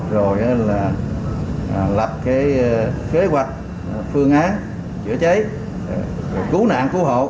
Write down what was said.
rồi là lập cái kế hoạch phương án chữa cháy cứu nạn cứu hộ